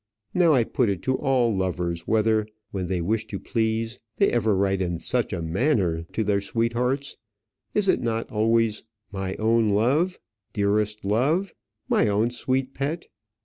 Now I put it to all lovers whether, when they wish to please, they ever write in such manner to their sweethearts. Is it not always, "My own love?" "Dearest love?" "My own sweet pet?"